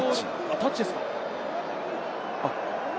タッチですか？